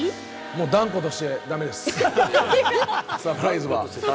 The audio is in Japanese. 断固としてダメです。